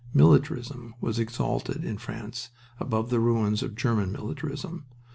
Militarism was exalted in France above the ruins of German militarism.